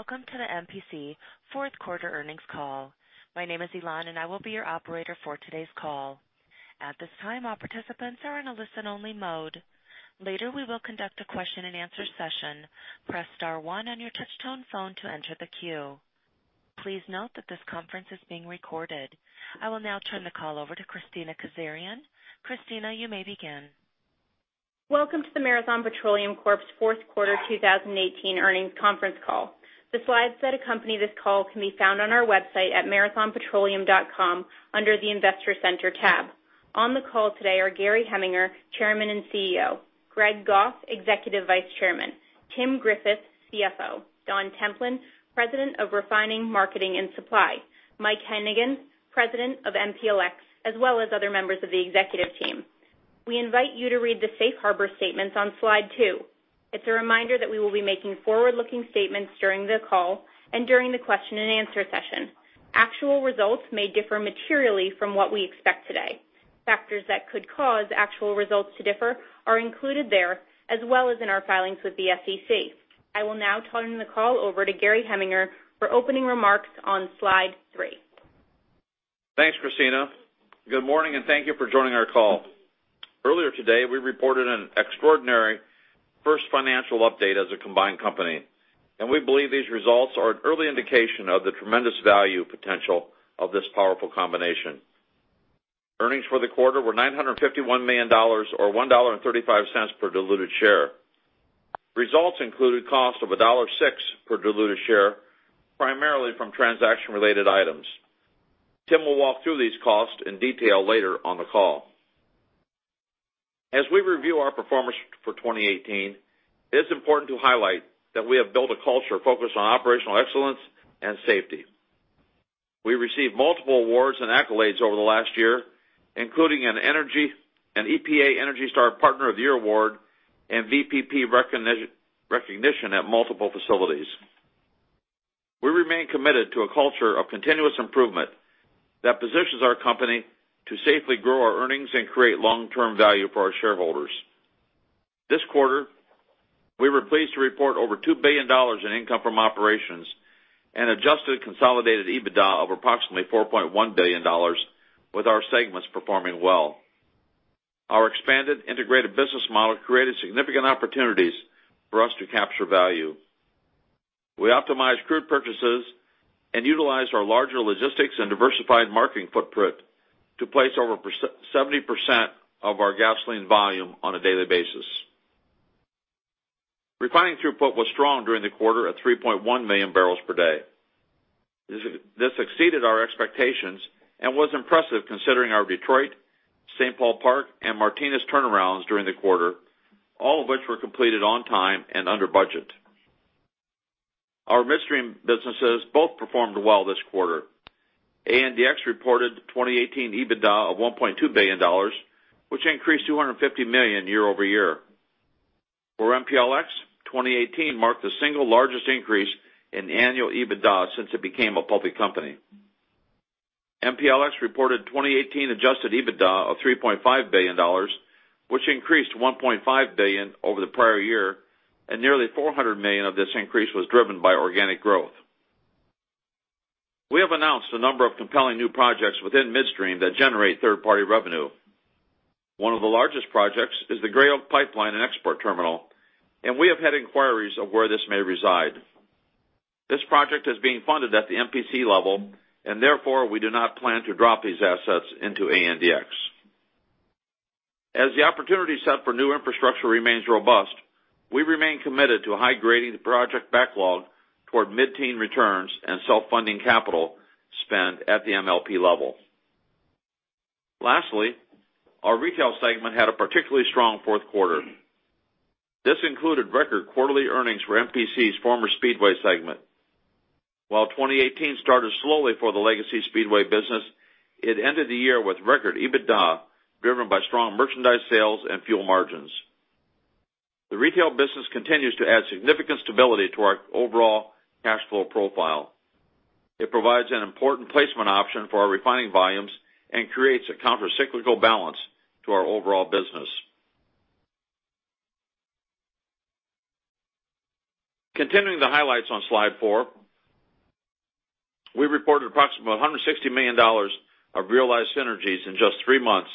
Welcome to the MPC fourth quarter earnings call. My name is Elan, and I will be your operator for today's call. At this time, all participants are in a listen only mode. Later, we will conduct a question and answer session. Press star one on your touch-tone phone to enter the queue. Please note that this conference is being recorded. I will now turn the call over to Kristina Kazarian. Kristina, you may begin. Welcome to the Marathon Petroleum Corp's fourth quarter 2018 earnings conference call. The slide set accompanying this call can be found on our website at marathonpetroleum.com under the Investor Center tab. On the call today are Gary Heminger, Chairman and CEO; Greg Goff, Executive Vice Chairman; Timothy Griffith, CFO; Don Templin, President of Refining, Marketing, and Supply; Mike Hennigan, President of MPLX, as well as other members of the executive team. We invite you to read the safe harbor statements on slide two. It's a reminder that we will be making forward-looking statements during the call and during the question and answer session. Actual results may differ materially from what we expect today. Factors that could cause actual results to differ are included there, as well as in our filings with the SEC. I will now turn the call over to Gary Heminger for opening remarks on slide three. Thanks, Kristina. Good morning, thank you for joining our call. Earlier today, we reported an extraordinary first financial update as a combined company. We believe these results are an early indication of the tremendous value potential of this powerful combination. Earnings for the quarter were $951 million, or $1.35 per diluted share. Results included cost of $1.06 per diluted share, primarily from transaction-related items. Tim will walk through these costs in detail later on the call. As we review our performance for 2018, it is important to highlight that we have built a culture focused on operational excellence and safety. We received multiple awards and accolades over the last year, including an EPA Energy Star Partner of the Year award and VPP recognition at multiple facilities We remain committed to a culture of continuous improvement that positions our company to safely grow our earnings and create long-term value for our shareholders. This quarter, we were pleased to report over $2 billion in income from operations and adjusted consolidated EBITDA of approximately $4.1 billion with our segments performing well. Our expanded integrated business model created significant opportunities for us to capture value. We optimized crude purchases and utilized our larger logistics and diversified marketing footprint to place over 70% of our gasoline volume on a daily basis. Refining throughput was strong during the quarter at 3.1 million barrels per day. This exceeded our expectations and was impressive considering our Detroit, St. Paul Park, and Martinez turnarounds during the quarter, all of which were completed on time and under budget. Our midstream businesses both performed well this quarter. ANDX reported 2018 EBITDA of $1.2 billion, which increased $250 million year-over-year. For MPLX, 2018 marked the single largest increase in annual EBITDA since it became a public company. MPLX reported 2018 adjusted EBITDA of $3.5 billion, which increased $1.5 billion over the prior year. Nearly $400 million of this increase was driven by organic growth. We have announced a number of compelling new projects within midstream that generate third-party revenue. One of the largest projects is the Gray Oak Pipeline and export terminal. We have had inquiries of where this may reside. This project is being funded at the MPC level. Therefore, we do not plan to drop these assets into ANDX. As the opportunity set for new infrastructure remains robust, we remain committed to a high-grading project backlog toward mid-teen returns and self-funding capital spend at the MLP level. Lastly, our retail segment had a particularly strong fourth quarter. This included record quarterly earnings for MPC's former Speedway segment. While 2018 started slowly for the legacy Speedway business, it ended the year with record EBITDA, driven by strong merchandise sales and fuel margins. The retail business continues to add significant stability to our overall cash flow profile. It provides an important placement option for our refining volumes and creates a counter-cyclical balance to our overall business. Continuing the highlights on slide four, we reported approximately $160 million of realized synergies in just three months.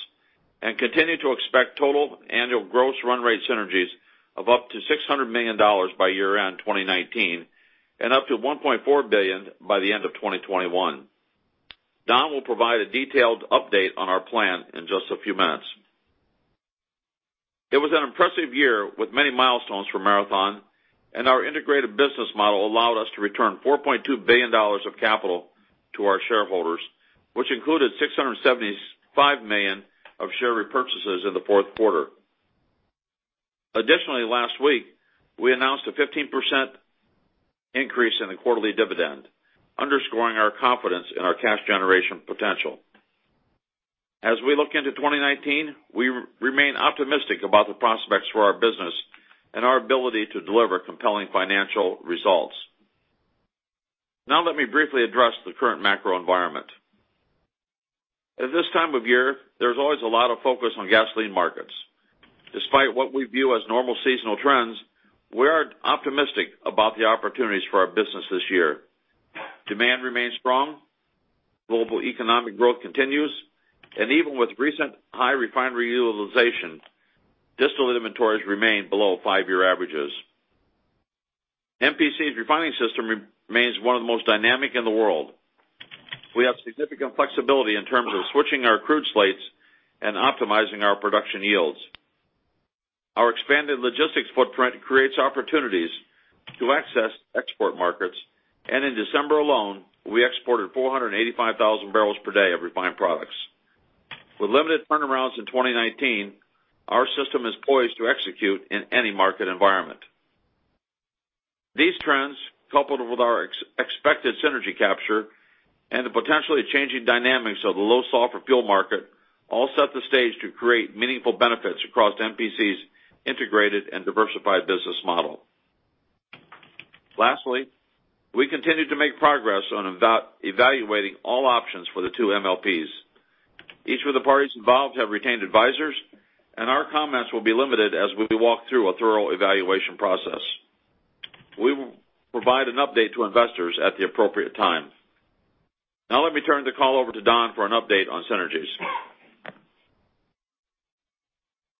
We continue to expect total annual gross run rate synergies of up to $600 million by year-end 2019 and up to $1.4 billion by the end of 2021. Don will provide a detailed update on our plan in just a few minutes. It was an impressive year with many milestones for Marathon. Our integrated business model allowed us to return $4.2 billion of capital to our shareholders, which included $675 million of share repurchases in the fourth quarter. Additionally, last week, we announced a 15% increase in the quarterly dividend, underscoring our confidence in our cash generation potential. As we look into 2019, we remain optimistic about the prospects for our business and our ability to deliver compelling financial results. Now let me briefly address the current macro environment. At this time of year, there's always a lot of focus on gasoline markets. Despite what we view as normal seasonal trends, we are optimistic about the opportunities for our business this year. Demand remains strong, global economic growth continues. Even with recent high refinery utilization, distillate inventories remain below five-year averages. MPC's refining system remains one of the most dynamic in the world. We have significant flexibility in terms of switching our crude slates and optimizing our production yields. Our expanded logistics footprint creates opportunities to access export markets. In December alone, we exported 485,000 barrels per day of refined products. With limited turnarounds in 2019, our system is poised to execute in any market environment. These trends, coupled with our expected synergy capture and the potentially changing dynamics of the low sulfur fuel market, all set the stage to create meaningful benefits across MPC's integrated and diversified business model. Lastly, we continue to make progress on evaluating all options for the two MLPs. Each of the parties involved have retained advisors, and our comments will be limited as we walk through a thorough evaluation process. We will provide an update to investors at the appropriate time. Now let me turn the call over to Don for an update on synergies.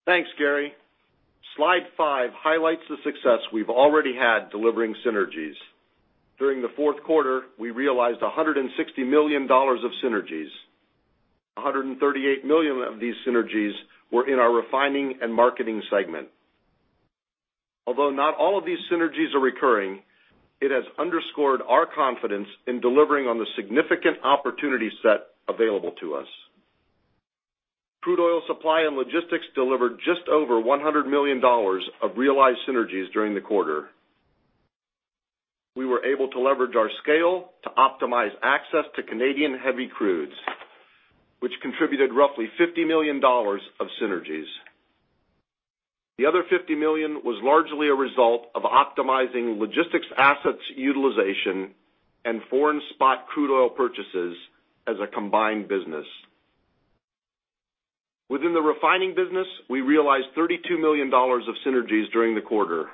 Thanks, Gary. Slide five highlights the success we've already had delivering synergies. During the fourth quarter, we realized $160 million of synergies. $138 million of these synergies were in our refining and marketing segment. Although not all of these synergies are recurring, it has underscored our confidence in delivering on the significant opportunity set available to us. Crude oil supply and logistics delivered just over $100 million of realized synergies during the quarter. We were able to leverage our scale to optimize access to Canadian heavy crudes, which contributed roughly $50 million of synergies. The other $50 million was largely a result of optimizing logistics assets utilization and foreign spot crude oil purchases as a combined business. Within the refining business, we realized $32 million of synergies during the quarter.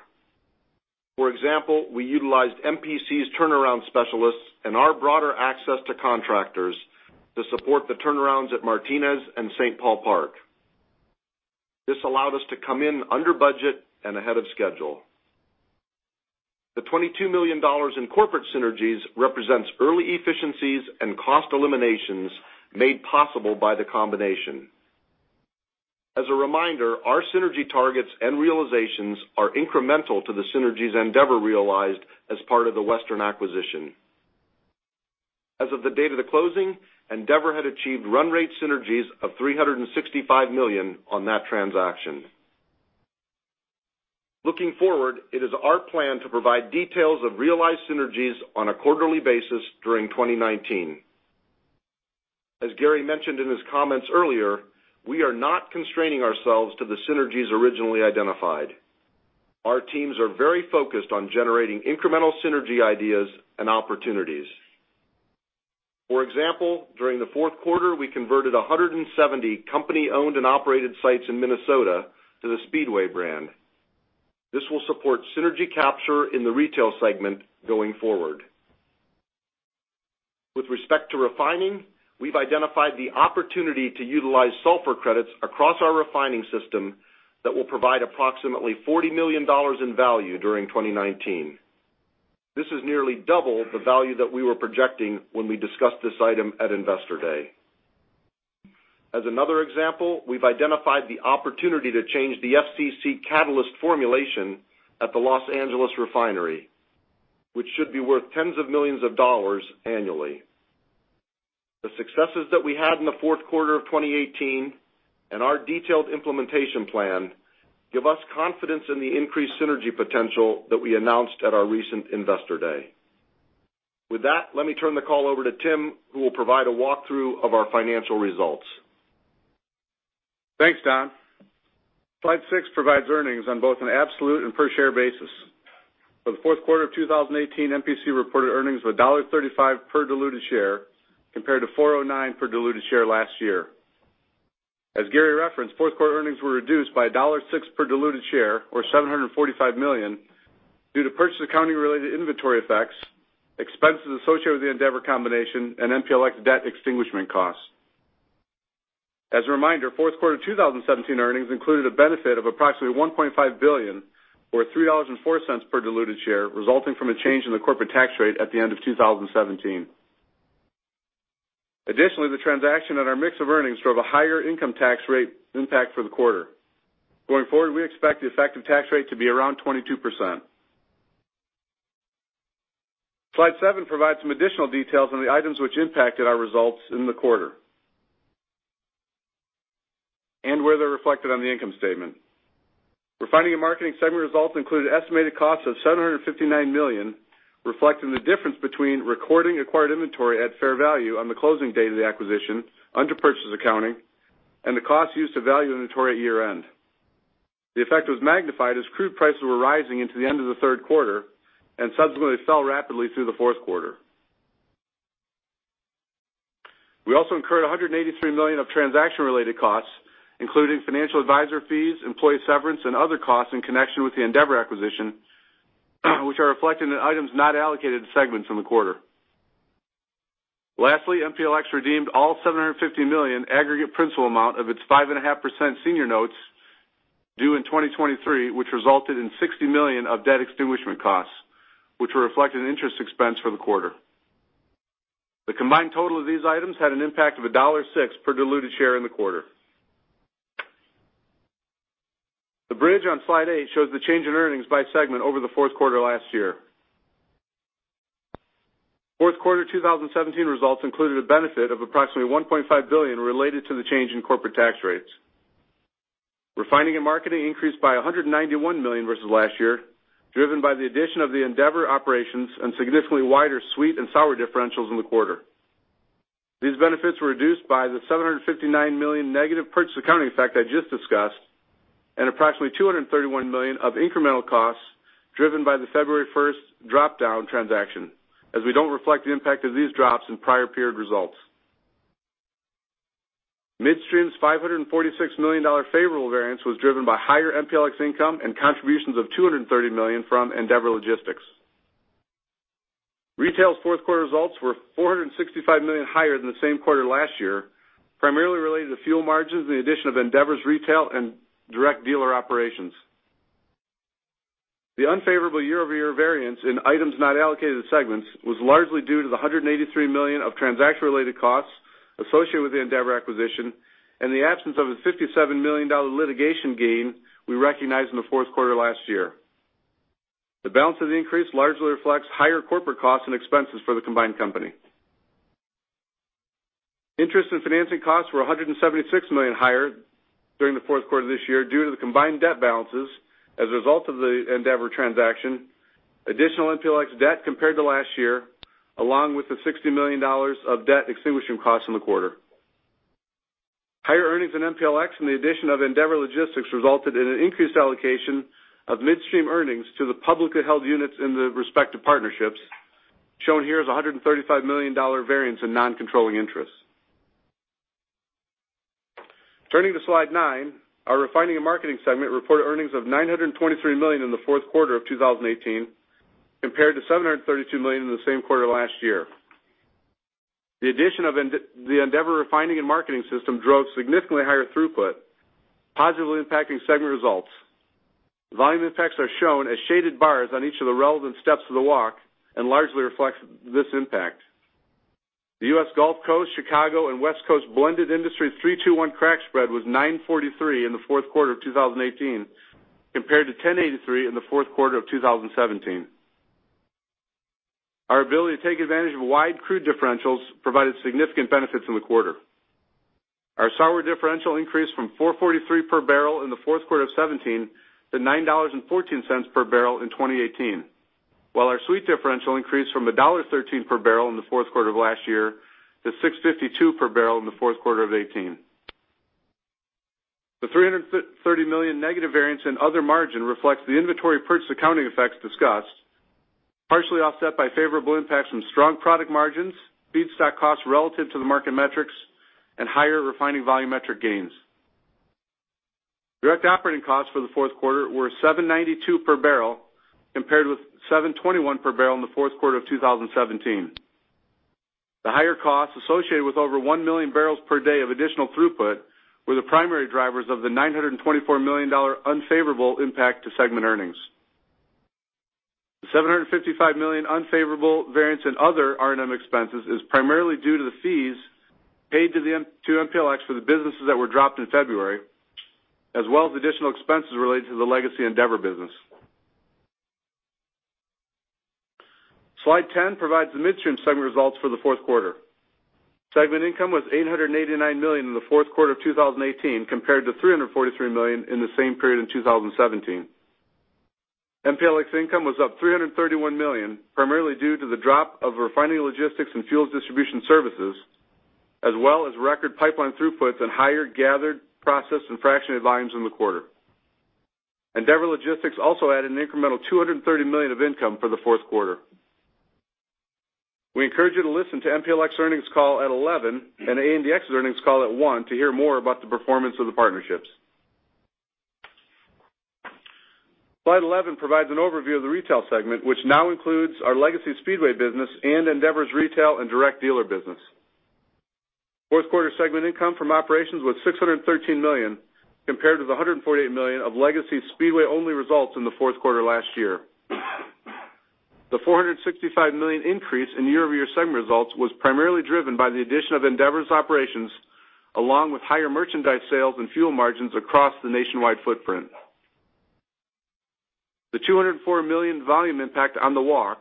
For example, we utilized MPC's turnaround specialists and our broader access to contractors to support the turnarounds at Martinez and St. Paul Park. This allowed us to come in under budget and ahead of schedule. The $22 million in corporate synergies represents early efficiencies and cost eliminations made possible by the combination. As a reminder, our synergy targets and realizations are incremental to the synergies Andeavor realized as part of the Western acquisition. As of the date of the closing, Andeavor had achieved run rate synergies of $365 million on that transaction. Looking forward, it is our plan to provide details of realized synergies on a quarterly basis during 2019. As Gary mentioned in his comments earlier, we are not constraining ourselves to the synergies originally identified. Our teams are very focused on generating incremental synergy ideas and opportunities. For example, during the fourth quarter, we converted 170 company-owned and operated sites in Minnesota to the Speedway brand. This will support synergy capture in the retail segment going forward. With respect to refining, we've identified the opportunity to utilize sulfur credits across our refining system that will provide approximately $40 million in value during 2019. This is nearly double the value that we were projecting when we discussed this item at Investor Day. As another example, we've identified the opportunity to change the FCC catalyst formulation at the Los Angeles refinery, which should be worth tens of millions of dollars annually. The successes that we had in the fourth quarter of 2018 and our detailed implementation plan give us confidence in the increased synergy potential that we announced at our recent Investor Day. With that, let me turn the call over to Tim, who will provide a walkthrough of our financial results. Thanks, Don. Slide six provides earnings on both an absolute and per share basis. For the fourth quarter of 2018, MPC reported earnings of $1.35 per diluted share compared to $4.09 per diluted share last year. As Gary referenced, fourth quarter earnings were reduced by $1.06 per diluted share, or $745 million, due to purchase accounting-related inventory effects, expenses associated with the Andeavor combination, and MPLX debt extinguishment costs. As a reminder, fourth quarter 2017 earnings included a benefit of approximately $1.5 billion, or $3.04 per diluted share, resulting from a change in the corporate tax rate at the end of 2017. Additionally, the transaction on our mix of earnings drove a higher income tax rate impact for the quarter. Going forward, we expect the effective tax rate to be around 22%. Slide seven provides some additional details on the items which impacted our results in the quarter and where they're reflected on the income statement. Refining and marketing segment results included estimated costs of $759 million, reflecting the difference between recording acquired inventory at fair value on the closing date of the acquisition under purchase accounting and the cost used to value inventory at year-end. The effect was magnified as crude prices were rising into the end of the third quarter and subsequently fell rapidly through the fourth quarter. We also incurred $183 million of transaction-related costs, including financial advisor fees, employee severance, and other costs in connection with the Andeavor acquisition, which are reflected in items not allocated to segments in the quarter. Lastly MPLX redeemed all $750 million aggregate principal amount of its 5.5% senior notes due in 2023, which resulted in $60 million of debt extinguishment costs, which were reflected in interest expense for the quarter. The combined total of these items had an impact of $1.06 per diluted share in the quarter. The bridge on slide eight shows the change in earnings by segment over the fourth quarter last year. Fourth quarter 2017 results included a benefit of approximately $1.5 billion related to the change in corporate tax rates. Refining and marketing increased by $191 million versus last year, driven by the addition of the Andeavor operations and significantly wider sweet and sour differentials in the quarter. These benefits were reduced by the $759 million negative purchase accounting effect I just discussed, and approximately $231 million of incremental costs driven by the February 1st drop-down transaction, as we don't reflect the impact of these drops in prior period results. Midstream's $546 million favorable variance was driven by higher MPLX income and contributions of $230 million from Andeavor Logistics. Retail's fourth quarter results were $465 million higher than the same quarter last year, primarily related to fuel margins and the addition of Andeavor's retail and direct dealer operations. The unfavorable year-over-year variance in items not allocated to segments was largely due to the $183 million of transaction-related costs associated with the Andeavor acquisition and the absence of a $57 million litigation gain we recognized in the fourth quarter last year. The balance of the increase largely reflects higher corporate costs and expenses for the combined company. Interest and financing costs were $176 million higher during the fourth quarter this year due to the combined debt balances as a result of the Andeavor transaction, additional MPLX debt compared to last year, along with the $60 million of debt extinguishment costs in the quarter. Higher earnings in MPLX and the addition of Andeavor Logistics resulted in an increased allocation of Midstream earnings to the publicly held units in the respective partnerships, shown here as $135 million variance in non-controlling interest. Turning to slide nine, our Refining and Marketing segment reported earnings of $923 million in the fourth quarter of 2018 compared to $732 million in the same quarter last year. The addition of the Andeavor Refining and Marketing system drove significantly higher throughput, positively impacting segment results. Volume impacts are shown as shaded bars on each of the relevant steps of the walk and largely reflects this impact. The U.S. Gulf Coast, Chicago, and West Coast blended industry 3-2-1 crack spread was $9.43 in the fourth quarter of 2018, compared to $10.83 in the fourth quarter of 2017. Our ability to take advantage of wide crude differentials provided significant benefits in the quarter. Our sour differential increased from $4.43 per barrel in the fourth quarter of 2017 to $9.14 per barrel in 2018. While our sweet differential increased from $1.13 per barrel in the fourth quarter of last year to $6.52 per barrel in the fourth quarter of 2018. The $330 million negative variance in other margin reflects the inventory purchase accounting effects discussed, partially offset by favorable impacts from strong product margins, feedstock costs relative to the market metrics, and higher refining volume metric gains. Direct operating costs for the fourth quarter were $792 per barrel, compared with $721 per barrel in the fourth quarter of 2017. The higher costs associated with over one million barrels per day of additional throughput were the primary drivers of the $924 million unfavorable impact to segment earnings. The $755 million unfavorable variance in other R&M expenses is primarily due to the fees paid to MPLX for the businesses that were dropped in February, as well as additional expenses related to the legacy Andeavor business. Slide 10 provides the Midstream segment results for the fourth quarter. Segment income was $889 million in the fourth quarter of 2018, compared to $343 million in the same period in 2017. MPLX income was up $331 million, primarily due to the drop of refining logistics and fuels distribution services, as well as record pipeline throughputs and higher gathered process and fractionated volumes in the quarter. Andeavor Logistics also added an incremental $230 million of income for the fourth quarter. We encourage you to listen to MPLX's earnings call at 11:00 and ANDX's earnings call at 1:00 to hear more about the performance of the partnerships. Slide 11 provides an overview of the retail segment, which now includes our legacy Speedway business and Andeavor's retail and direct dealer business. Fourth quarter segment income from operations was $613 million, compared to the $148 million of legacy Speedway-only results in the fourth quarter last year. The $465 million increase in year-over-year segment results was primarily driven by the addition of Andeavor's operations, along with higher merchandise sales and fuel margins across the nationwide footprint. The $204 million volume impact on the walk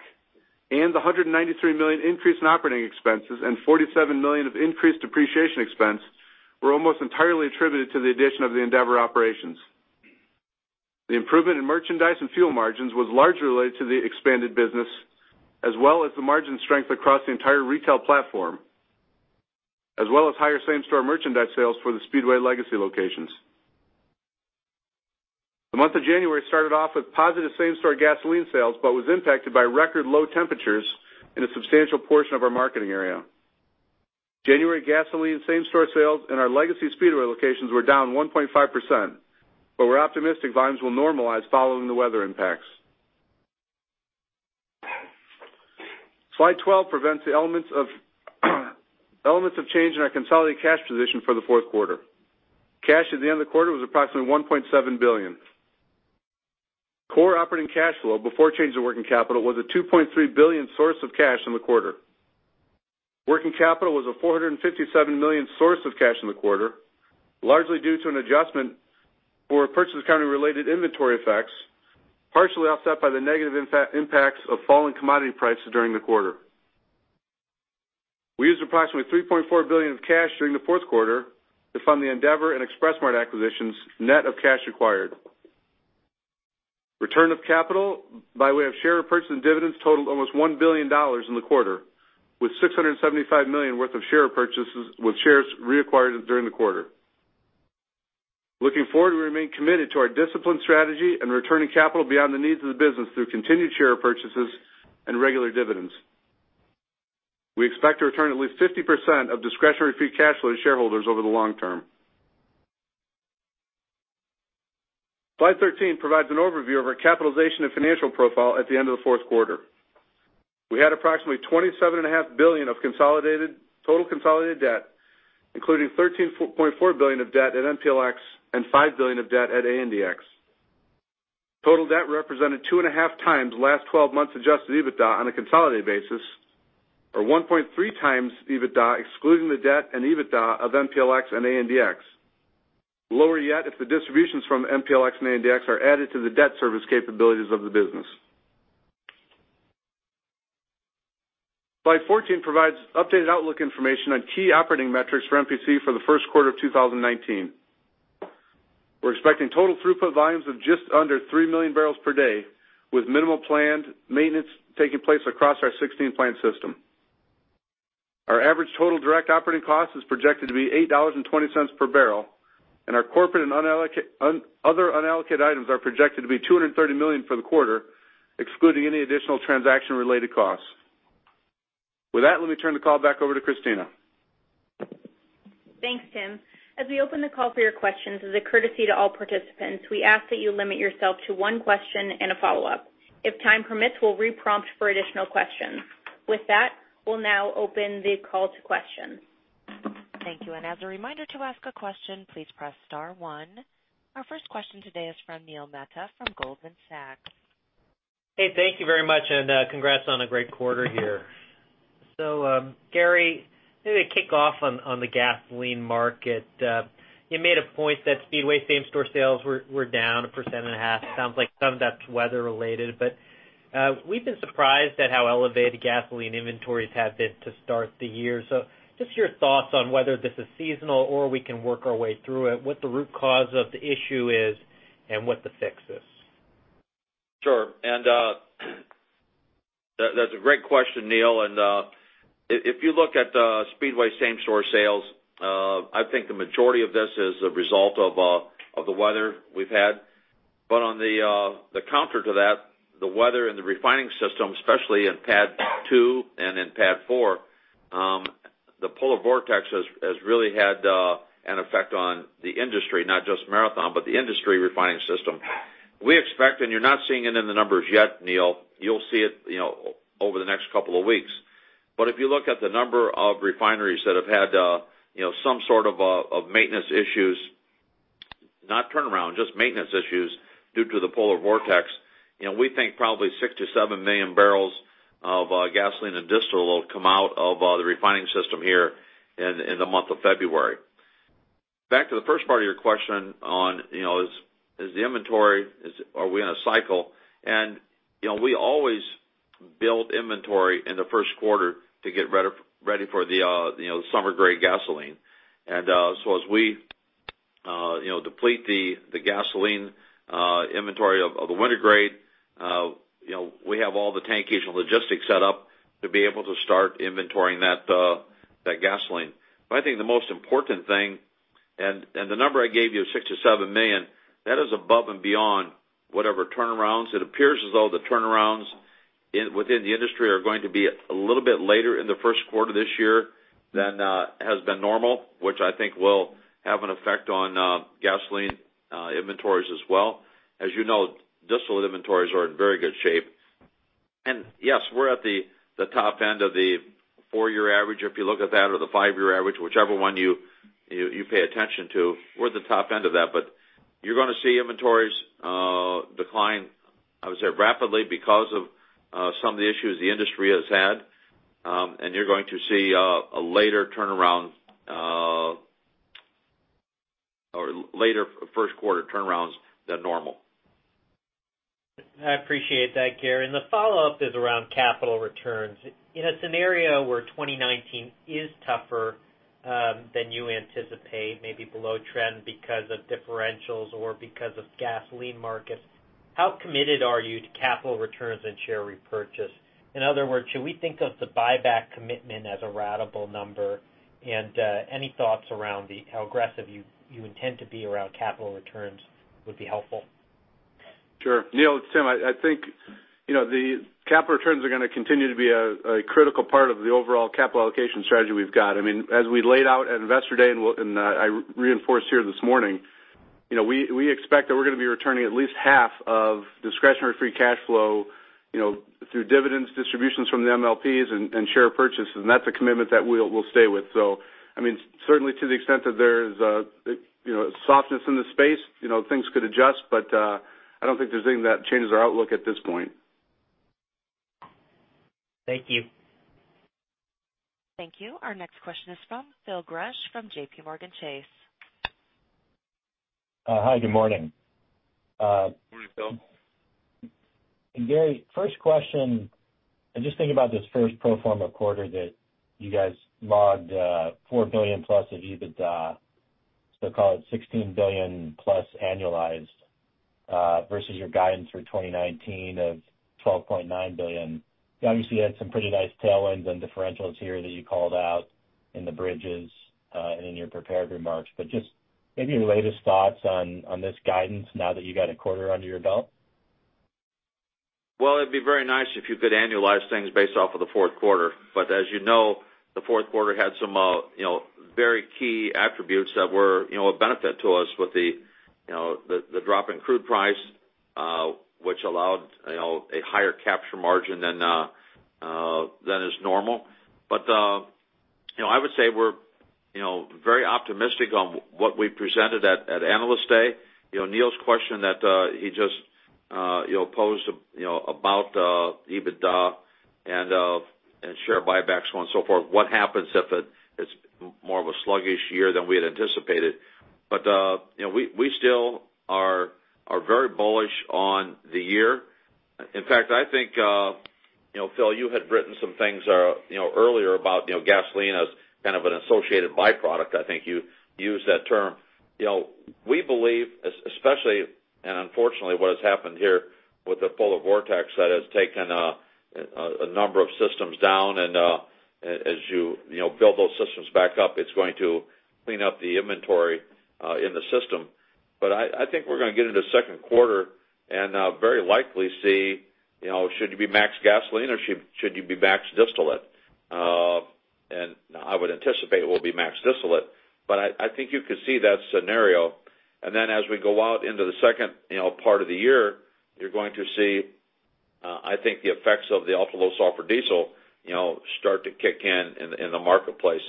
and the $193 million increase in operating expenses and $47 million of increased depreciation expense were almost entirely attributed to the addition of the Andeavor operations. The improvement in merchandise and fuel margins was largely related to the expanded business, as well as the margin strength across the entire retail platform, as well as higher same-store merchandise sales for the Speedway legacy locations. The month of January started off with positive same-store gasoline sales, but was impacted by record low temperatures in a substantial portion of our marketing area. January gasoline same-store sales in our legacy Speedway locations were down 1.5%, but we're optimistic volumes will normalize following the weather impacts. Slide 12 presents the elements of change in our consolidated cash position for the fourth quarter. Cash at the end of the quarter was approximately $1.7 billion. Core operating cash flow before change to working capital was a $2.3 billion source of cash in the quarter. Working capital was a $457 million source of cash in the quarter, largely due to an adjustment for purchase accounting-related inventory effects, partially offset by the negative impacts of falling commodity prices during the quarter. We used approximately $3.4 billion of cash during the fourth quarter to fund the Andeavor and Express Mart acquisitions, net of cash acquired. Return of capital by way of share repurchase and dividends totalled almost $1 billion in the quarter, with $675 million worth of share repurchases with shares reacquired during the quarter. Looking forward, we remain committed to our disciplined strategy and returning capital beyond the needs of the business through continued share repurchases and regular dividends. We expect to return at least 50% of discretionary free cash flow to shareholders over the long term. Slide 13 provides an overview of our capitalization and financial profile at the end of the fourth quarter. We had approximately $27.5 billion of total consolidated debt, including $13.4 billion of debt at MPLX and $5 billion of debt at ANDX. Total debt represented 2.5x Last 12 months adjusted EBITDA on a consolidated ba`sis, or 1.3x EBITDA, excluding the debt and EBITDA of MPLX and ANDX. Lower yet, if the distributions from MPLX and ANDX are added to the debt service capabilities of the business. Slide 14 provides updated outlook information on key operating metrics for MPC for the first quarter of 2019. We're expecting total throughput volumes of just under three million barrels per day, with minimal planned maintenance taking place across our 16-plant system. Our average total direct operating cost is projected to be $8.20 per barrel, and our corporate and other unallocated items are projected to be $230 million for the quarter, excluding any additional transaction-related costs. With that, let me turn the call back over to Kristina. Thanks, Tim. As we open the call for your questions, as a courtesy to all participants, we ask that you limit yourself to one question and a follow-up. If time permits, we'll re-prompt for additional questions. With that, we'll now open the call to questions. Thank you. As a reminder, to ask a question, please press star one. Our first question today is from Neil Mehta from Goldman Sachs. Hey, thank you very much, congrats on a great quarter here. Gary, maybe to kick off on the gasoline market. You made a point that Speedway same-store sales were down 1.5%. Sounds like some of that's weather related, we've been surprised at how elevated gasoline inventories have been to start the year. Just your thoughts on whether this is seasonal or we can work our way through it, what the root cause of the issue is, and what the fix is. Sure. That's a great question, Neil, if you look at Speedway same-store sales, I think the majority of this is a result of the weather we've had. On the counter to that, the weather and the refining system, especially in PADD 2 and in PADD 4, the polar vortex has really had an effect on the industry. Not just Marathon, but the industry refining system. We expect, you're not seeing it in the numbers yet, Neil, you'll see it over the next couple of weeks. If you look at the number of refineries that have had some sort of maintenance issues, not turnaround, just maintenance issues due to the polar vortex, we think probably 6 million-7 million barrels of gasoline and distill will come out of the refining system here in the month of February. Back to the first part of your question on, is the inventory, are we in a cycle? We always build inventory in the first quarter to get ready for the summer-grade gasoline. As we deplete the gasoline inventory of the winter grade, we have all the tankage and logistics set up to be able to start inventorying that gasoline. I think the most important thing, the number I gave you is 6 million-7 million. That is above and beyond whatever turnarounds. It appears as though the turnarounds within the industry are going to be a little bit later in the first quarter this year than has been normal, which I think will have an effect on gasoline inventories as well. As you know, distillate inventories are in very good shape. Yes, we're at the top end of the four-year average, if you look at that, or the five-year average, whichever one you pay attention to. We're at the top end of that. You're going to see inventories decline, I would say rapidly, because of some of the issues the industry has had. You're going to see a later turnaround, or later first quarter turnarounds than normal. I appreciate that, Gary. The follow-up is around capital returns. In a scenario where 2019 is tougher than you anticipate, maybe below trend because of differentials or because of gasoline markets. How committed are you to capital returns and share repurchase? In other words, should we think of the buyback commitment as a ratable number? Any thoughts around how aggressive you intend to be around capital returns would be helpful. Sure. Neil, it's Tim. I think the capital returns are going to continue to be a critical part of the overall capital allocation strategy we've got. As we laid out at Investor Day, and I reinforced here this morning, we expect that we're going to be returning at least half of discretionary free cash flow through dividends, distributions from the MLPs, and share purchases, and that's a commitment that we'll stay with. Certainly to the extent that there's softness in the space, things could adjust, but I don't think there's anything that changes our outlook at this point. Thank you. Thank you. Our next question is from Phil Gresh from JPMorgan Chase. Hi, good morning. Morning, Phil. Gary, first question, I'm just thinking about this first pro forma quarter that you guys logged $4 billion plus of EBITDA, so call it $16 billion plus annualized versus your guidance for 2019 of $12.9 billion. You obviously had some pretty nice tailwinds and differentials here that you called out in the bridges and in your prepared remarks. Just maybe your latest thoughts on this guidance now that you got a quarter under your belt. Well, it'd be very nice if you could annualize things based off of the fourth quarter. As you know, the fourth quarter had some very key attributes that were a benefit to us with the drop in crude price, which allowed a higher capture margin than is normal. I would say we're very optimistic on what we presented at Analyst Day. Neil's question that he just posed about EBITDA and share buybacks, so on and so forth, what happens if it's more of a sluggish year than we had anticipated? We still are very bullish on the year. In fact, I think, Phil, you had written some things earlier about gasoline as kind of an associated byproduct. I think you used that term. We believe, especially, and unfortunately, what has happened here with the polar vortex that has taken a number of systems down, and as you build those systems back up, it's going to clean up the inventory in the system. I think we're going to get into second quarter and very likely see, should you be max gasoline or should you be max distillate? I would anticipate we'll be max distillate. I think you could see that scenario. Then as we go out into the second part of the year, you're going to see, I think the effects of the ultra-low-sulfur diesel start to kick in the marketplace.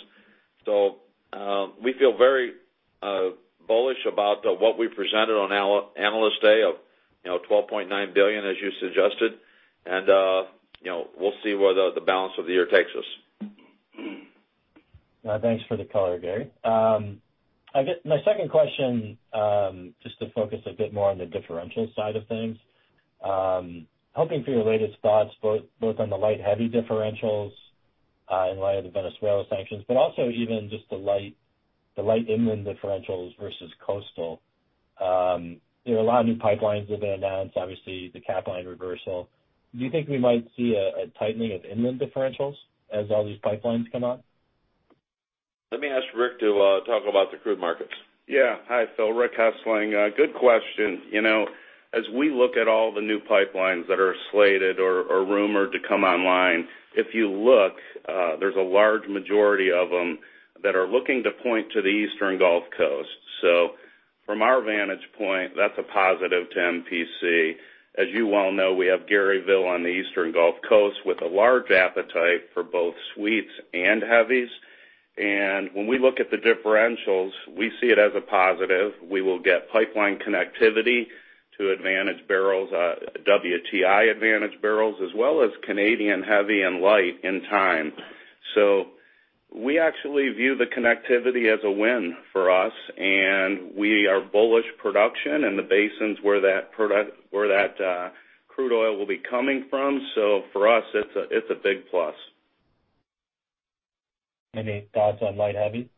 We feel very bullish about what we presented on our Analyst Day of $12.9 billion, as you suggested, and we'll see where the balance of the year takes us. Thanks for the color, Gary. My second question, just to focus a bit more on the differential side of things. Hoping for your latest thoughts both on the light, heavy differentials in light of the Venezuela sanctions, also even just the light inland differentials versus coastal. There are a lot of new pipelines that have been announced, obviously the Capline Pipeline reversal. Do you think we might see a tightening of inland differentials as all these pipelines come on? Let me ask Rick to talk about the crude markets. Yeah. Hi, Phil. Rick Hessling. Good question. As we look at all the new pipelines that are slated or rumored to come online, if you look, there's a large majority of them that are looking to point to the Eastern Gulf Coast. From our vantage point, that's a positive to MPC. As you well know, we have Garyville on the Eastern Gulf Coast with a large appetite for both sweets and heavies. When we look at the differentials, we see it as a positive. We will get pipeline connectivity to advantage barrels, WTI advantage barrels, as well as Canadian heavy and light in time. We actually view the connectivity as a win for us, and we are bullish production in the basins where that crude oil will be coming from. For us, it's a big plus. Any thoughts on light, heavy?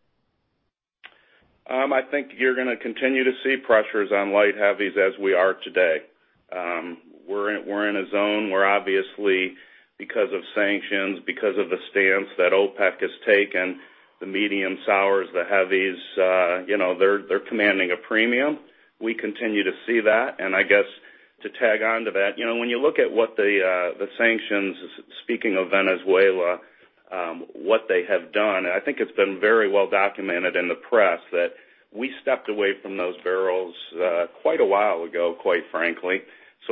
I think you're going to continue to see pressures on light heavies as we are today. We're in a zone where obviously because of sanctions, because of the stance that OPEC has taken, the medium sours, the heavies, they're commanding a premium. We continue to see that, and I guess to tag on to that, when you look at what the sanctions, speaking of Venezuela, what they have done, and I think it's been very well documented in the press that we stepped away from those barrels quite a while ago, quite frankly.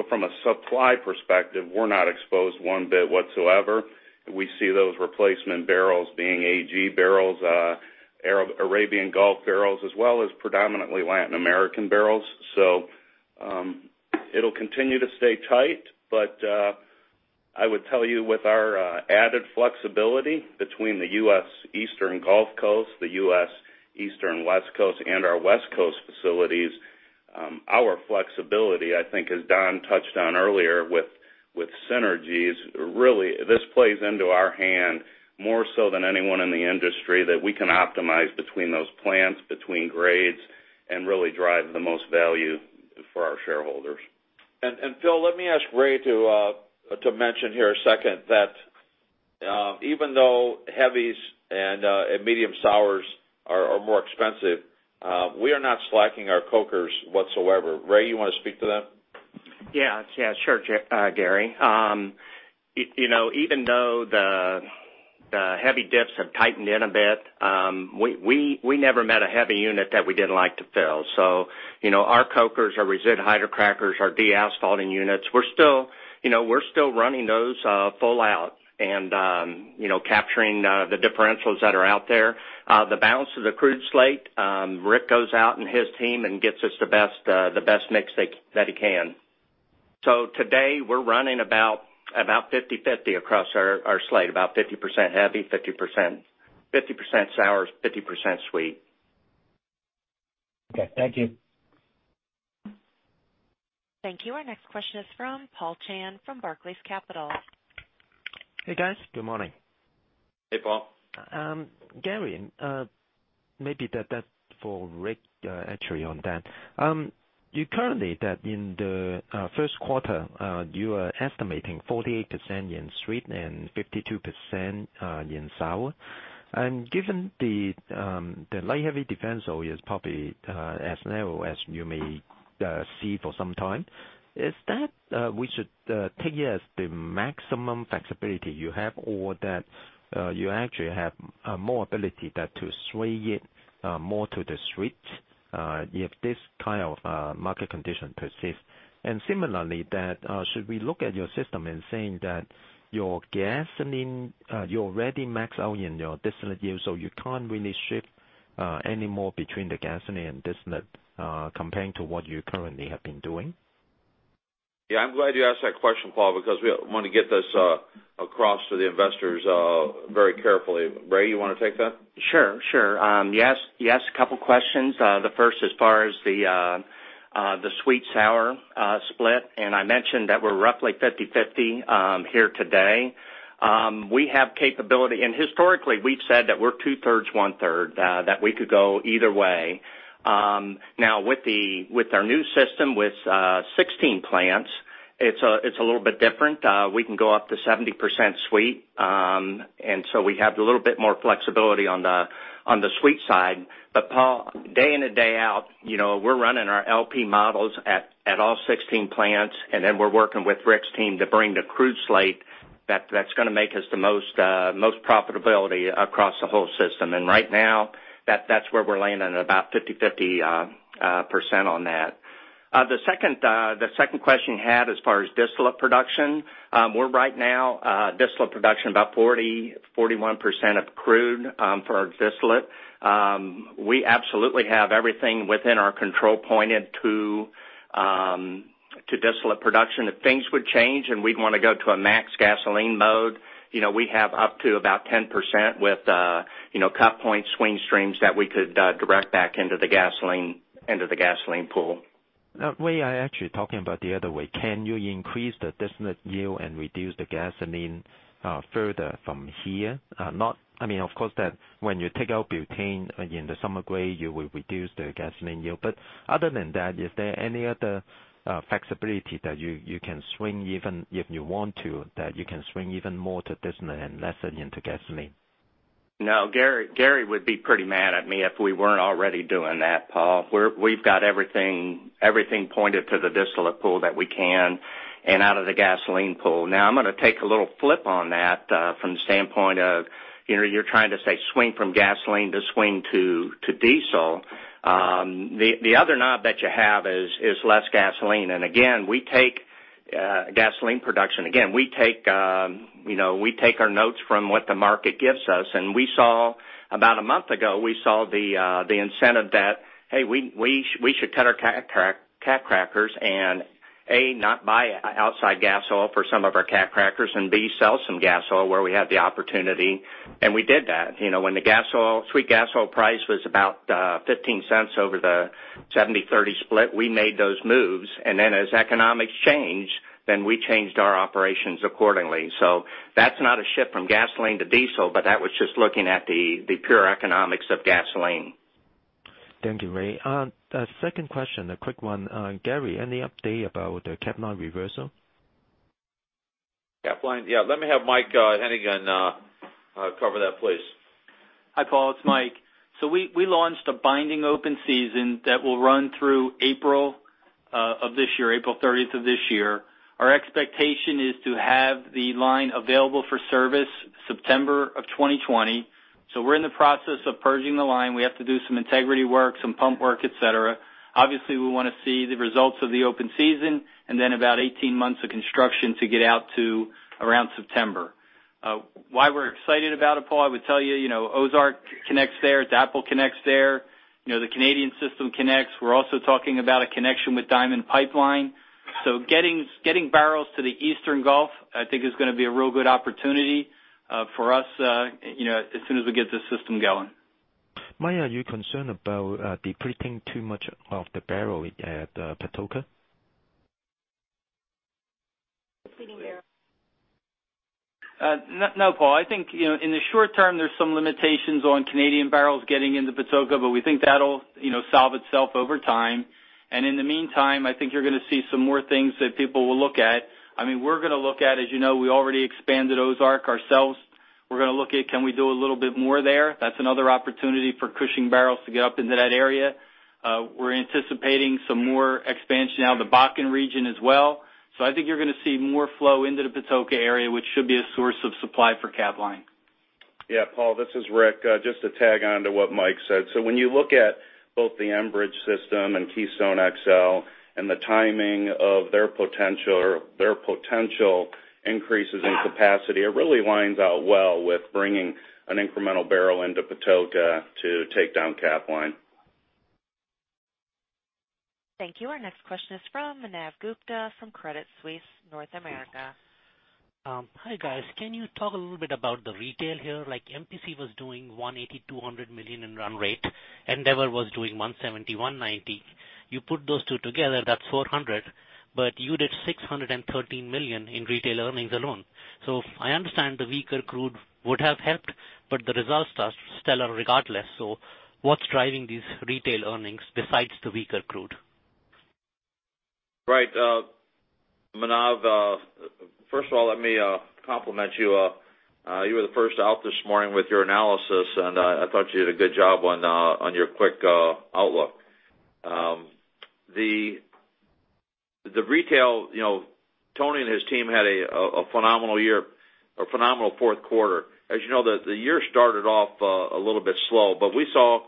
From a supply perspective, we're not exposed one bit whatsoever. We see those replacement barrels being AG barrels, Arabian Gulf barrels, as well as predominantly Latin American barrels. It'll continue to stay tight, but I would tell you with our added flexibility between the U.S. Eastern Gulf Coast, the U.S. Eastern West Coast, and our West Coast facilities, our flexibility, I think as Don touched on earlier with synergies, really, this plays into our hand more so than anyone in the industry that we can optimize between those plants, between grades, and really drive the most value for our shareholders. Phil, let me ask Ray to mention here a second that even though heavies and medium sours are more expensive, we are not slacking our cokers whatsoever. Ray, you want to speak to that? Yeah. Sure, Gary. Even though the heavy dips have tightened in a bit, we never met a heavy unit that we didn't like to fill. Our cokers, our resid hydrocrackers, our de-asphalting units, we're still running those full out and capturing the differentials that are out there. The balance of the crude slate, Rick goes out and his team and gets us the best mix that he can. Today, we're running about 50/50 across our slate, about 50% heavy, 50% sours, 50% sweet. Okay. Thank you. Thank you. Our next question is from Paul Cheng from Barclays Capital. Hey, guys. Good morning. Hey, Paul. Gary, maybe that for Rick, actually, on that. You currently in the first quarter, you are estimating 48% in sweet and 52% in sour. Given the light heavy differential is probably as narrow as you may see for some time, is that we should take it as the maximum flexibility you have, or that you actually have more ability to sway it more to the sweet if this kind of market condition persist? Similarly, should we look at your system in saying that your gasoline, you're already maxed out in your distillate yield, so you can't really shift any more between the gasoline and distillate, comparing to what you currently have been doing? Yeah, I'm glad you asked that question, Paul, because we want to get this across to the investors very carefully. Ray, you want to take that? Sure. You asked a couple of questions. The first, as far as the sweet sour split, I mentioned that we're roughly 50/50 here today. We have capability, historically, we've said that we're two-thirds, one-third, that we could go either way. Now with our new system, with 16 plants, it's a little bit different. We can go up to 70% sweet. We have a little bit more flexibility on the sweet side. Paul, day in and day out, we're running our LP models at all 16 plants, then we're working with Rick's team to bring the crude slate that's going to make us the most profitability across the whole system. Right now, that's where we're landing at about 50/50% on that. The second question you had as far as distillate production. We're right now, distillate production about 40, 41% of crude for our distillate. We absolutely have everything within our control pointed to distillate production. If things would change and we'd want to go to a max gasoline mode, we have up to about 10% with cut point swing streams that we could direct back into the gasoline pool. We are actually talking about the other way. Can you increase the distillate yield and reduce the gasoline further from here? Of course, that when you take out butane in the summer grade, you will reduce the gasoline yield. Other than that, is there any other flexibility that you can swing even if you want to, that you can swing even more to distillate and less into gasoline? No, Gary would be pretty mad at me if we weren't already doing that, Paul. We've got everything pointed to the distillate pool that we can and out of the gasoline pool. I'm going to take a little flip on that from the standpoint of, you're trying to say swing from gasoline to swing to diesel. The other knob that you have is less gasoline. Again, we take gasoline production. Again, we take our notes from what the market gives us, and about a month ago, we saw the incentive that, hey, we should cut our cat crackers and, A, not buy outside gas oil for some of our cat crackers, and B, sell some gas oil where we have the opportunity. We did that. When the sweet gas oil price was about $0.15 over the 70/30 split, we made those moves. As economics changed, then we changed our operations accordingly. That's not a shift from gasoline to diesel, but that was just looking at the pure economics of gasoline. Thank you, Ray. Second question, a quick one. Gary, any update about the Capline reversal? Capline? Yeah. Let me have Mike Hennigan cover that, please. Hi, Paul. It's Mike. We launched a binding open season that will run through April of this year, April 30th of this year. Our expectation is to have the line available for service September 2020. We're in the process of purging the line. We have to do some integrity work, some pump work, et cetera. Obviously, we want to see the results of the open season and then about 18 months of construction to get out to around September. Why we're excited about it, Paul, I would tell you, Ozark connects there. DAPL connects there. The Canadian system connects. We're also talking about a connection with Diamond Pipeline. Getting barrels to the Eastern Gulf, I think, is going to be a real good opportunity for us as soon as we get this system going. Mike, are you concerned about depleting too much of the barrel at Patoka? Depleting barrel. No, Paul. I think, in the short term, there is some limitations on Canadian barrels getting into Patoka, but we think that will solve itself over time. In the meantime, I think you are going to see some more things that people will look at. We are going to look at, as you know, we already expanded Ozark Pipeline ourselves. We are going to look at can we do a little bit more there. That is another opportunity for Cushing barrels to get up into that area. We are anticipating some more expansion out of the Bakken region as well. I think you are going to see more flow into the Patoka area, which should be a source of supply for Capline Pipeline. Yeah, Paul, this is Rick. Just to tag on to what Mike said. When you look at both the Enbridge system and Keystone XL and the timing of their potential increases in capacity, it really lines out well with bringing an incremental barrel into Patoka to take down Capline Pipeline. Thank you. Our next question is from Manav Gupta from Credit Suisse North America. Hi, guys. Can you talk a little bit about the retail here? Like MPC was doing $180 million-$200 million in run rate. Andeavor was doing $170 million-$190 million. You put those two together, that is $400 million, but you did $613 million in retail earnings alone. I understand the weaker crude would have helped, but the results are stellar regardless. What is driving these retail earnings besides the weaker crude? Right. Manav, first of all, let me compliment you. You were the first out this morning with your analysis, and I thought you did a good job on your quick outlook. The retail, Tony and his team had a phenomenal year, a phenomenal fourth quarter. As you know, the year started off a little bit slow, but we saw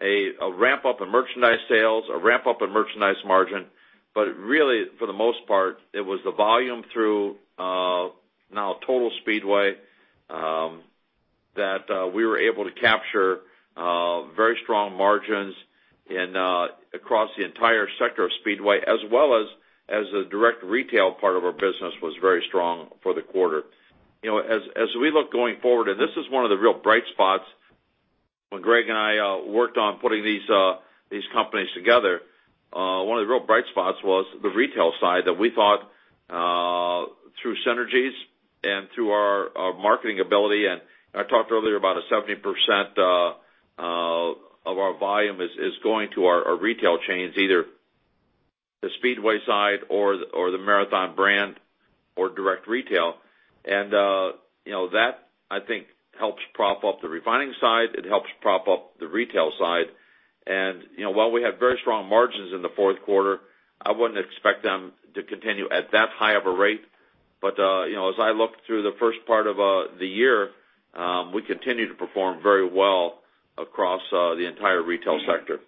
a ramp-up in merchandise sales, a ramp-up in merchandise margin. Really, for the most part, it was the volume through now total Speedway, that we were able to capture very strong margins across the entire sector of Speedway, as well as the direct retail part of our business was very strong for the quarter. As we look going forward, this is one of the real bright spots when Greg and I worked on putting these companies together. One of the real bright spots was the retail side that we thought through synergies and through our marketing ability. I talked earlier about a 70% of our volume is going to our retail chains, either the Speedway side or the Marathon brand or direct retail. That I think helps prop up the refining side. It helps prop up the retail side. While we had very strong margins in the fourth quarter, I wouldn't expect them to continue at that high of a rate. As I look through the first part of the year, we continue to perform very well across the entire retail sector.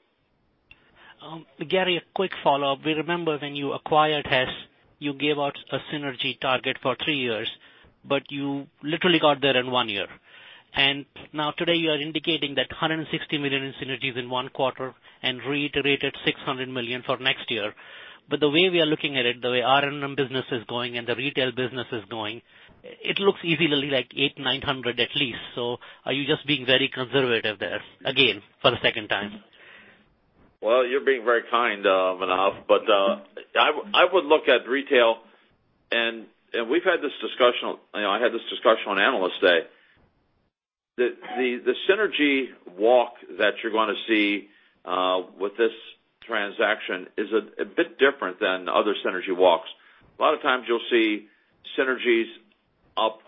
Gary, a quick follow-up. We remember when you acquired Hess Corporation, you gave out a synergy target for three years, you literally got there in one year. Now today you are indicating that $160 million in synergies in one quarter and reiterated $600 million for next year. The way we are looking at it, the way R&M business is going and the retail business is going, it looks easily like $800 million, $900 million at least. Are you just being very conservative there again for the second time? You're being very kind, Manav, I would look at retail, I had this discussion on Analyst Day. The synergy walk that you're going to see with this transaction is a bit different than other synergy walks. A lot of times you'll see synergies up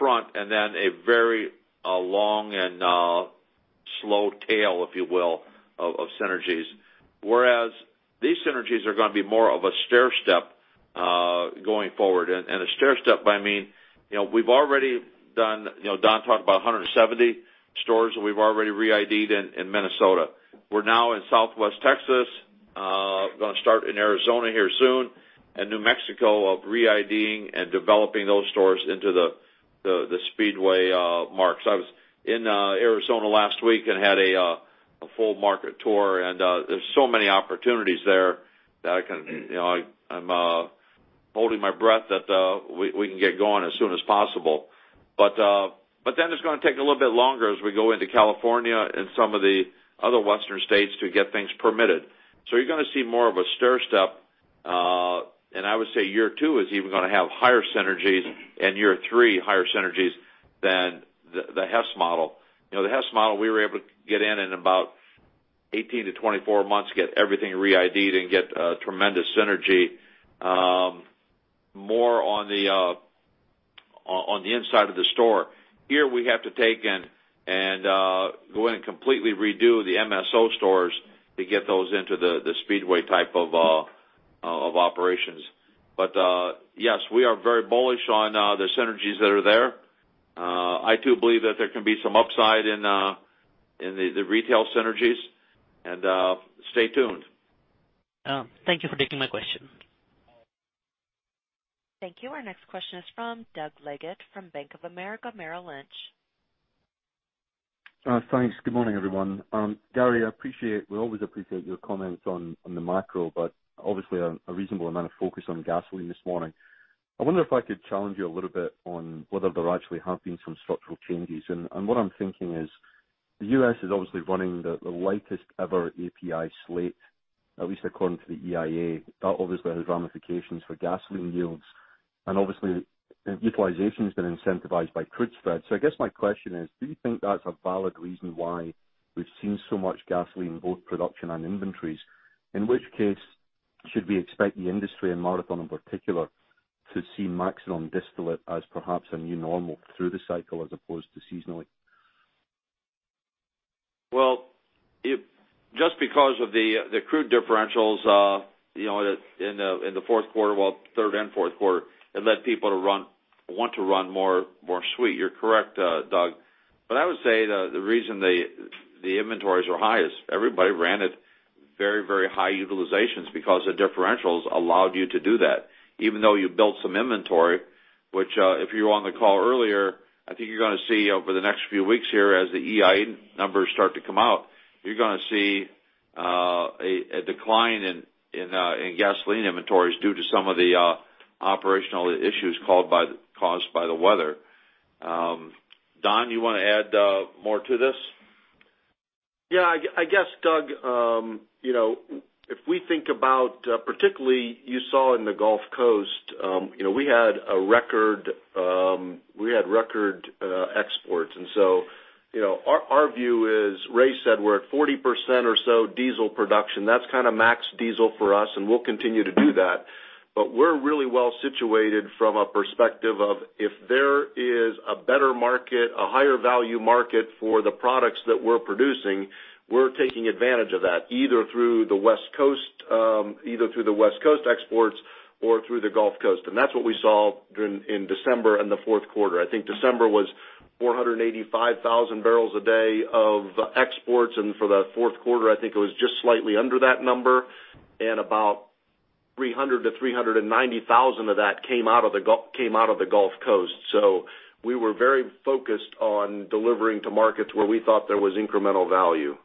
front and then a very long and slow tail, if you will, of synergies. These synergies are going to be more of a stairstep going forward. A stairstep by mean, Don talked about 170 stores that we've already re-ID'd in Minnesota. We're now in Southwest Texas, going to start in Arizona here soon, and New Mexico of re-ID'ing and developing those stores into the Speedway marks. I was in Arizona last week, had a full market tour, there's so many opportunities there that I'm holding my breath that we can get going as soon as possible. It's going to take a little bit longer as we go into California and some of the other Western states to get things permitted. You're going to see more of a stairstep, I would say year two is even going to have higher synergies and year three higher synergies than the Hess Corporation model. The Hess Corporation model, we were able to get in about 18-24 months, get everything re-ID'd and get tremendous synergy more on the inside of the store. Here we have to take in and go in and completely redo the MSO stores to get those into the Speedway type of operations. Yes, we are very bullish on the synergies that are there. I too believe that there can be some upside in the retail synergies. Stay tuned. Thank you for taking my question. Thank you. Our next question is from Doug Leggate from Bank of America Merrill Lynch. Thanks. Good morning, everyone. Gary, we always appreciate your comments on the macro, obviously a reasonable amount of focus on gasoline this morning. I wonder if I could challenge you a little bit on whether there actually have been some structural changes. What I'm thinking is, the U.S. is obviously running the lightest ever API slate, at least according to the EIA. That obviously has ramifications for gasoline yields, and obviously utilization has been incentivized by crude spreads. I guess my question is, do you think that's a valid reason why we've seen so much gasoline, both production and inventories? In which case, should we expect the industry and Marathon in particular, to see maximum distillate as perhaps a new normal through the cycle as opposed to seasonally? Just because of the crude differentials in the third and fourth quarter, it led people to want to run more sweet. You're correct, Doug. I would say the reason the inventories are high is everybody ran at very high utilizations because the differentials allowed you to do that. Even though you built some inventory, which, if you were on the call earlier, I think you're going to see over the next few weeks here, as the EIA numbers start to come out, you're going to see a decline in gasoline inventories due to some of the operational issues caused by the weather. Don, you want to add more to this? I guess, Doug, if we think about, particularly you saw in the Gulf Coast, we had record exports. Our view is, Ray said we're at 40% or so diesel production. That's max diesel for us, and we'll continue to do that. We're really well situated from a perspective of, if there is a better market, a higher value market for the products that we're producing, we're taking advantage of that, either through the West Coast exports or through the Gulf Coast. That's what we saw in December and the fourth quarter. I think December was 485,000 barrels a day of exports, and for the fourth quarter, I think it was just slightly under that number, and about 300,000 to 390,000 of that came out of the Gulf Coast. We were very focused on delivering to markets where we thought there was incremental value.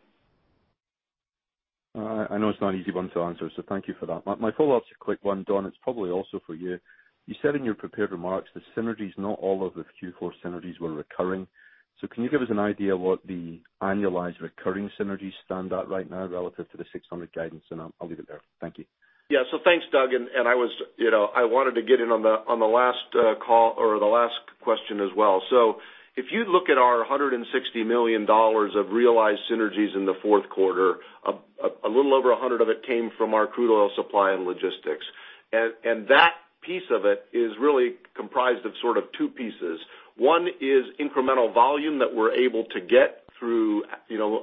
I know it's not an easy one to answer. Thank you for that. My follow-up's a quick one. Don, it's probably also for you. You said in your prepared remarks the synergies, not all of the Q4 synergies were recurring. Can you give us an idea what the annualized recurring synergies stand at right now relative to the $600 guidance? I'll leave it there. Thank you. Thanks, Doug. I wanted to get in on the last call or the last question as well. If you look at our $160 million of realized synergies in the fourth quarter, a little over $100 of it came from our crude oil supply and logistics. That piece of it is really comprised of sort of two pieces. One is incremental volume that we're able to get through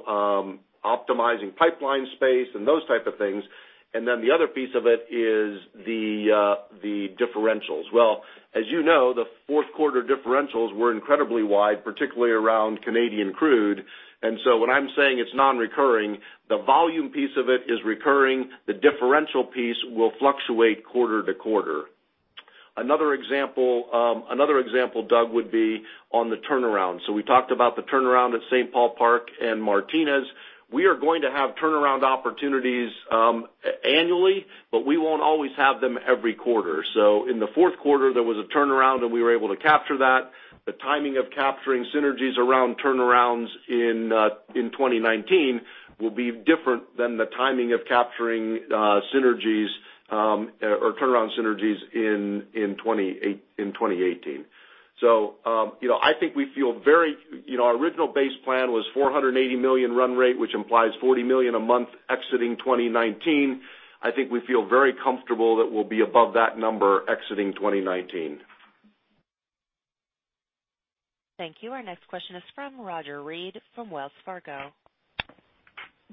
optimizing pipeline space and those type of things. The other piece of it is the differentials. As you know, the fourth quarter differentials were incredibly wide, particularly around Canadian crude. When I'm saying it's non-recurring, the volume piece of it is recurring. The differential piece will fluctuate quarter to quarter. Another example, Doug, would be on the turnaround. We talked about the turnaround at St. Paul Park and Martinez. We are going to have turnaround opportunities annually, but we won't always have them every quarter. In the fourth quarter, there was a turnaround, and we were able to capture that. The timing of capturing synergies around turnarounds in 2019 will be different than the timing of capturing synergies, or turnaround synergies in 2018. I think we feel very, our original base plan was $480 million run rate, which implies $40 million a month exiting 2019. I think we feel very comfortable that we'll be above that number exiting 2019. Thank you. Our next question is from Roger Read from Wells Fargo.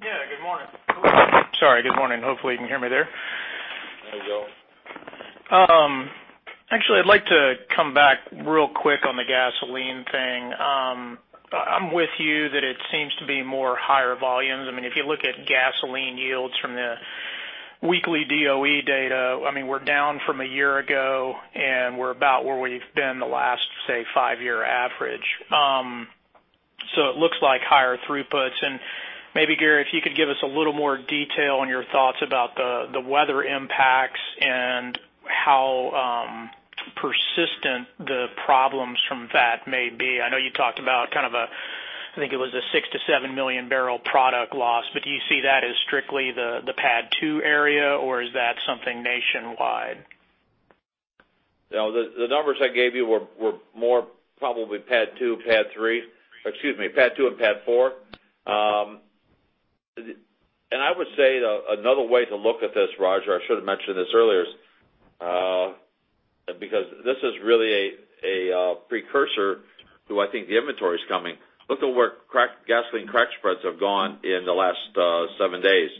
Good morning. Sorry, good morning. Hopefully you can hear me there. Hi, Roger. Actually, I'd like to come back real quick on the gasoline thing. I'm with you that it seems to be more higher volumes. If you look at gasoline yields from the weekly DOE data, we're down from a year ago, and we're about where we've been the last, say, five-year average. It looks like higher throughputs. Maybe, Gary, if you could give us a little more detail on your thoughts about the weather impacts and how persistent the problems from that may be. I know you talked about kind of a, I think it was a 6 million-7 million barrel product loss. Do you see that as strictly the PADD 2 area, or is that something nationwide? The numbers I gave you were more probably PADD 2, PADD 3. Excuse me, PADD 2 and PADD 4. I would say another way to look at this, Roger, I should have mentioned this earlier, because this is really a precursor to, I think, the inventory's coming. Look at where gasoline crack spreads have gone in the last seven days.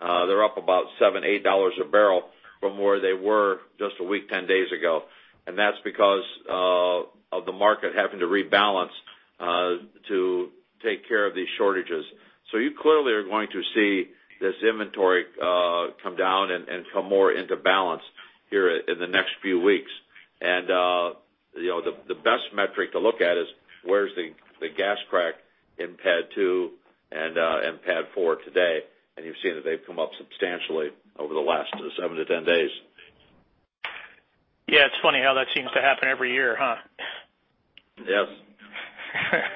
They're up about $7, $8 a barrel from where they were just a week, 10 days ago. That's because of the market having to rebalance to take care of these shortages. You clearly are going to see this inventory come down and come more into balance here in the next few weeks. The best metric to look at is where's the gas crack in PADD 2 and PADD 4 today, and you've seen that they've come up substantially over the last seven to 10 days. Yeah. It's funny how that seems to happen every year, huh? Yes.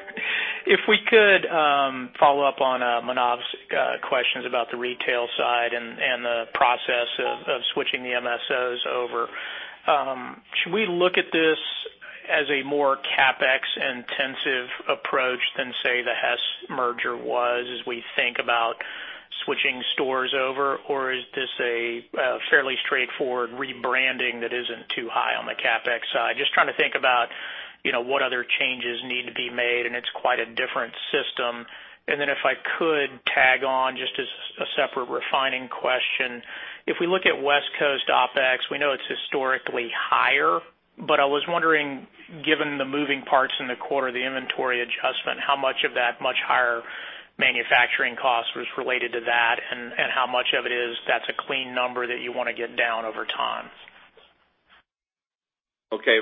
If we could follow up on Manav's questions about the retail side and the process of switching the MSOs over. Should we look at this as a more CapEx-intensive approach than, say, the Hess merger was, as we think about switching stores over? Or is this a fairly straightforward rebranding that isn't too high on the CapEx side? Just trying to think about what other changes need to be made, and it's quite a different system. Then if I could tag on just as a separate refining question, if we look at West Coast OpEx, we know it's historically higher, but I was wondering, given the moving parts in the quarter, the inventory adjustment, how much of that much higher manufacturing cost was related to that, and how much of it is that's a clean number that you want to get down over time?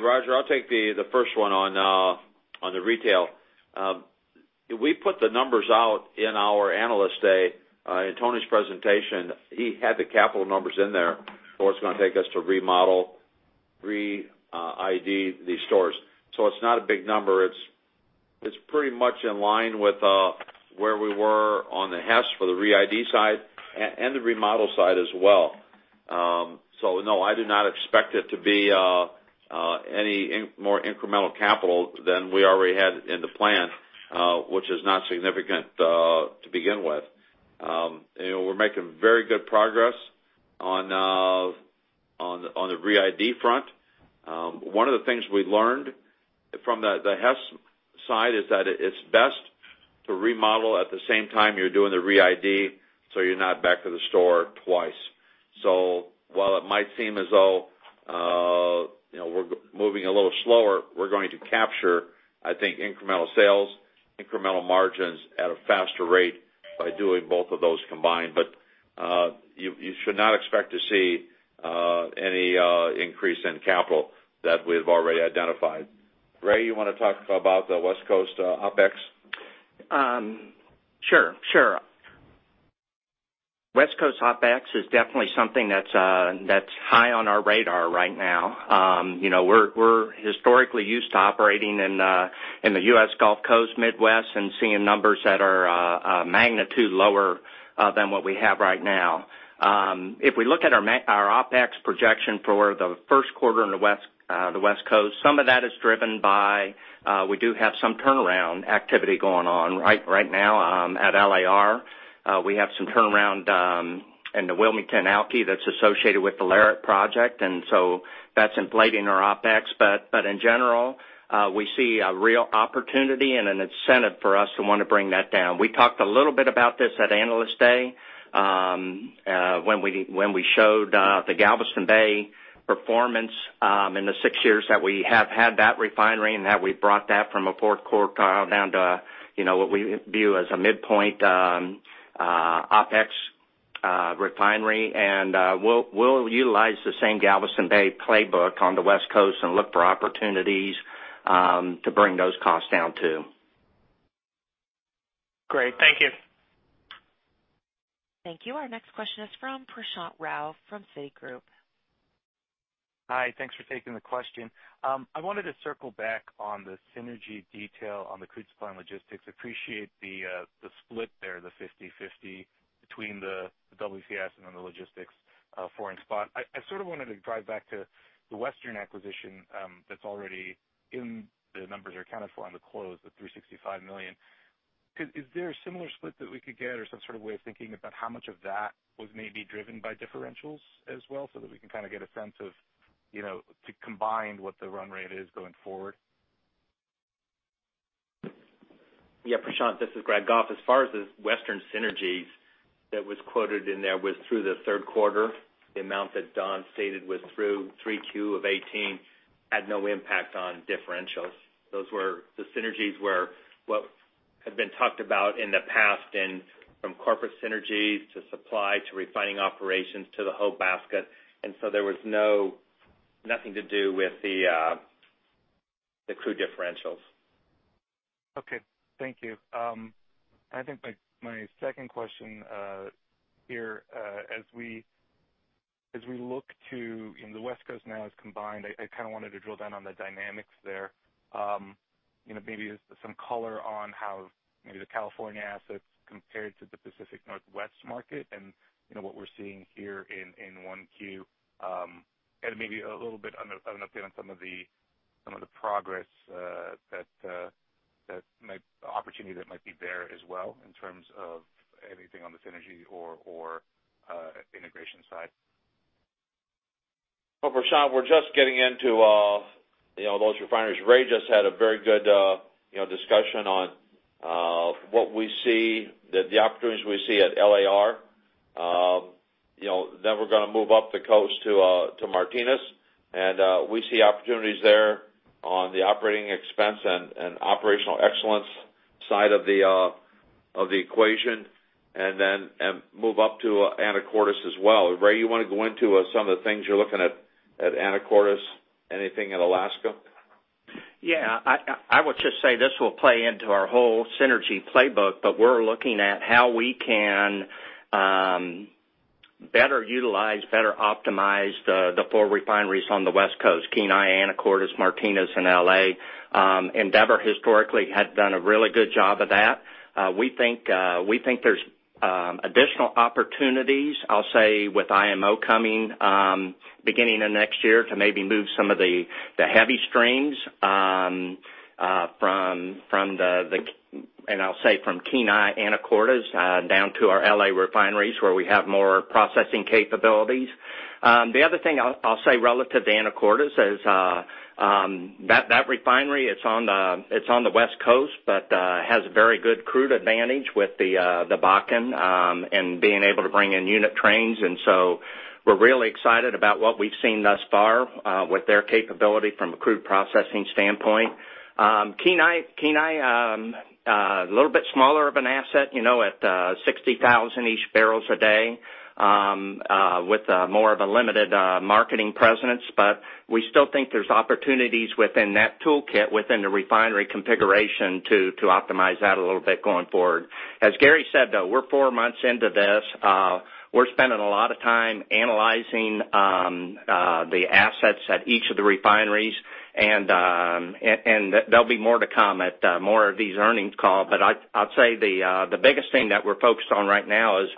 Roger, I'll take the first one on the retail. We put the numbers out in our Analyst Day. In Tony's presentation, he had the capital numbers in there for what it's going to take us to remodel, re-ID these stores. It's not a big number. It's pretty much in line with where we were on the Hess for the re-ID side and the remodel side as well. No, I do not expect it to be any more incremental capital than we already had in the plan, which is not significant to begin with. We're making very good progress on the re-ID front. One of the things we learned from the Hess side is that it's best to remodel at the same time you're doing the re-ID, so you're not back to the store twice. While it might seem as though we're moving a little slower, we're going to capture, I think, incremental sales, incremental margins at a faster rate by doing both of those combined. You should not expect to see any increase in capital that we've already identified. Ray, you want to talk about the West Coast OpEx? Sure. West Coast OpEx is definitely something that's high on our radar right now. We're historically used to operating in the U.S. Gulf Coast Midwest and seeing numbers that are a magnitude lower than what we have right now. If we look at our OpEx projection for the first quarter in the West Coast, some of that is driven by, we do have some turnaround activity going on right now at LAR. We have some turnaround in the Wilmington alky that's associated with the LARIC project, that's inflating our OpEx. In general, we see a real opportunity and an incentive for us to want to bring that down. We talked a little bit about this at Analyst Day, when we showed the Galveston Bay performance in the six years that we have had that refinery and that we brought that from a poor quarter down to what we view as a midpoint OpEx refinery. We'll utilize the same Galveston Bay playbook on the West Coast and look for opportunities to bring those costs down, too. Great. Thank you. Thank you. Our next question is from Prashant Rao from Citigroup. Hi. Thanks for taking the question. I wanted to circle back on the synergy detail on the crude supply and logistics. Appreciate the split there, the 50/50 between the WCS and then the logistics foreign spot. I wanted to drive back to the Western acquisition that's already in the numbers or accounted for on the close, the $365 million. Is there a similar split that we could get or some sort of way of thinking about how much of that was maybe driven by differentials as well, so that we can kind of get a sense of to combine what the run rate is going forward? Yeah, Prashant, this is Greg Goff. As far as the Western synergies that was quoted in there was through the third quarter. The amount that Don stated was through 3Q of 2018 had no impact on differentials. Those were the synergies where what had been talked about in the past and from corporate synergies to supply to refining operations to the whole basket. So there was nothing to do with the crude differentials. Okay. Thank you. I think my second question here, as we look to the West Coast now as combined, I kind of wanted to drill down on the dynamics there. Maybe some color on how maybe the California assets compared to the Pacific Northwest market and what we're seeing here in 1Q, and maybe a little bit of an update on some of the progress that might be there as well in terms of anything on the synergy or integration side. Well, Prashant, we're just getting into those refineries. Ray just had a very good discussion on what we see, the opportunities we see at LAR. We're going to move up the coast to Martinez, and we see opportunities there on the operating expense and operational excellence side of the equation, and move up to Anacortes as well. Ray, you want to go into some of the things you're looking at Anacortes? Anything in Alaska? Yeah. I would just say this will play into our whole synergy playbook, but we're looking at how we can better utilize, better optimize the four refineries on the West Coast, Kenai, Anacortes, Martinez, and L.A. Andeavor historically had done a really good job of that. We think there's additional opportunities, I'll say, with IMO coming beginning of next year to maybe move some of the heavy streams, and I'll say from Kenai, Anacortes, down to our L.A. refineries where we have more processing capabilities. The other thing I'll say relative to Anacortes is that refinery it's on the West Coast, but has very good crude advantage with the Bakken, and being able to bring in unit trains. We're really excited about what we've seen thus far, with their capability from a crude processing standpoint. Kenai, a little bit smaller of an asset, at 60,000-ish barrels a day, with more of a limited marketing presence. We still think there's opportunities within that toolkit, within the refinery configuration to optimize that a little bit going forward. As Gary said, though, we're four months into this. We're spending a lot of time analyzing the assets at each of the refineries. There'll be more to come at more of these earnings call. I'd say the biggest thing that we're focused on right now is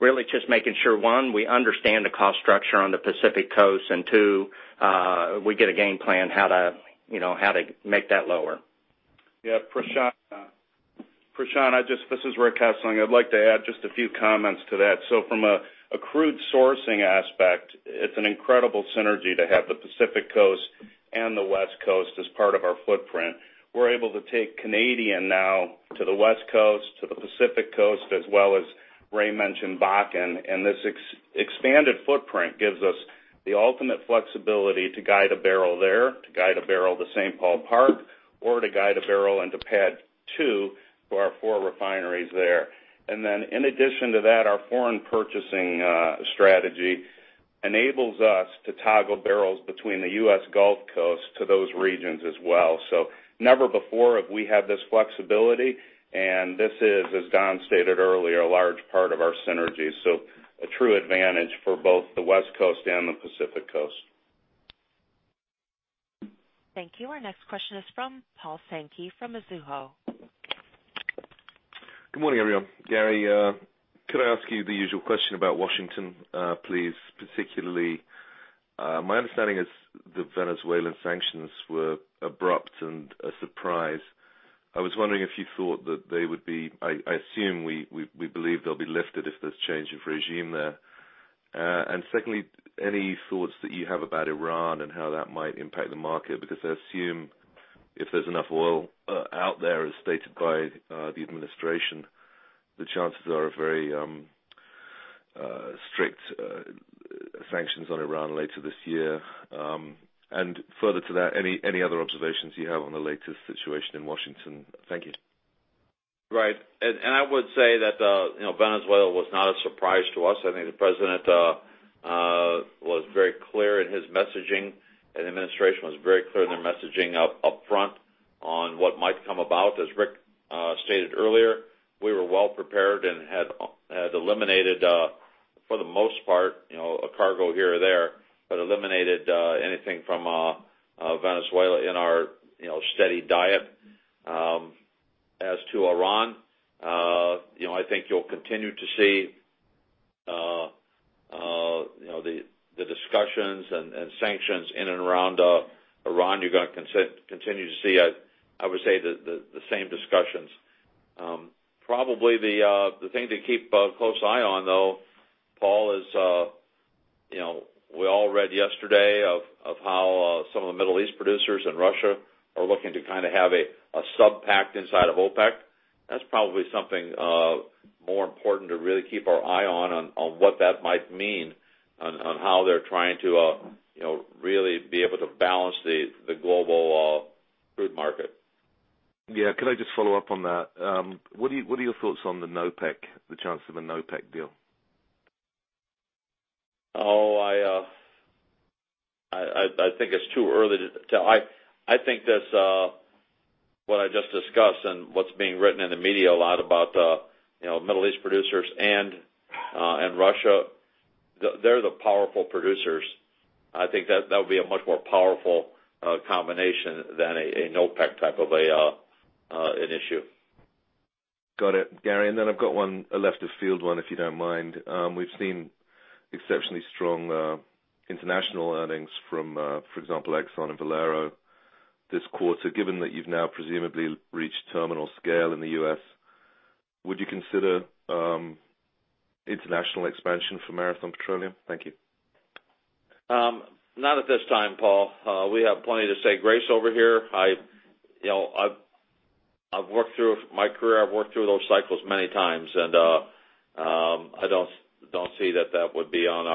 really just making sure, one, we understand the cost structure on the Pacific Coast, and two, we get a game plan how to make that lower. Yeah. Prashant. Prashant, this is Rick Hessling, I'd like to add just a few comments to that. From a crude sourcing aspect, it's an incredible synergy to have the Pacific Coast and the West Coast as part of our footprint. We're able to take Canadian now to the West Coast, to the Pacific Coast, as well as Ray mentioned, Bakken, and this expanded footprint gives us the ultimate flexibility to guide a barrel there, to guide a barrel to St. Paul Park, or to guide a barrel into PADD 2 for our four refineries there. In addition to that, our foreign purchasing strategy enables us to toggle barrels between the U.S. Gulf Coast to those regions as well. Never before have we had this flexibility, and this is, as Don stated earlier, a large part of our synergy. A true advantage for both the West Coast and the Pacific Coast. Thank you. Our next question is from Paul Sankey from Mizuho. Good morning, everyone. Gary, could I ask you the usual question about Washington, please? Particularly, my understanding is the Venezuelan sanctions were abrupt and a surprise. I was wondering if you thought that I assume we believe they'll be lifted if there's change of regime there. Secondly, any thoughts that you have about Iran and how that might impact the market? Because I assume if there's enough oil out there, as stated by the administration, the chances are a very strict sanctions on Iran later this year. Further to that, any other observations you have on the latest situation in Washington? Thank you. Right. I would say that Venezuela was not a surprise to us. I think the president was very clear in his messaging, and the administration was very clear in their messaging upfront on what might come about. As Rick stated earlier, we were well prepared and had eliminated, for the most part, a cargo here or there, but eliminated anything from Venezuela in our steady diet. As to Iran, I think you'll continue to see the discussions and sanctions in and around Iran. You're going to continue to see, I would say the same discussions. Probably the thing to keep a close eye on though, Paul, is we all read yesterday of how some of the Middle East producers and Russia are looking to have a sub-pact inside of OPEC. That's probably something more important to really keep our eye on what that might mean on how they're trying to really be able to balance the global crude market. Yeah. Could I just follow up on that? What are your thoughts on the NOPEC, the chance of a NOPEC deal? Oh, I think it's too early to tell. I think what I just discussed and what's being written in the media a lot about Middle East producers and Russia, they're the powerful producers. I think that would be a much more powerful combination than a NOPEC type of an issue. Got it, Gary. Then I've got one, a left of field one, if you don't mind. We've seen exceptionally strong international earnings from, for example, Exxon and Valero this quarter. Given that you've now presumably reached terminal scale in the U.S., would you consider international expansion for Marathon Petroleum? Thank you. Not at this time, Paul. We have plenty to say grace over here. My career, I've worked through those cycles many times. I don't see that that would be on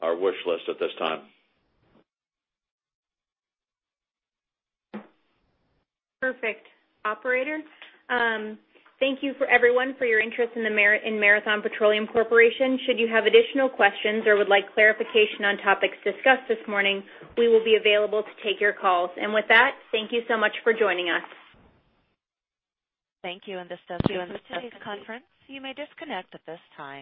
our wish list at this time. Perfect. Operator? Thank you for everyone for your interest in Marathon Petroleum Corporation. Should you have additional questions or would like clarification on topics discussed this morning, we will be available to take your calls. With that, thank you so much for joining us. Thank you. This does end this conference. You may disconnect at this time.